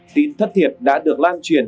tin thất thiệt đã được lan truyền